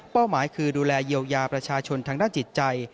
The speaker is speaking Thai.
หมายคือดูแลเยียวยาประชาชนทางด้านจิตใจ